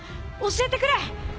教えてくれ。